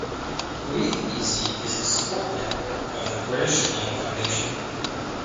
Breathe Easy is the support network of the British Lung Foundation.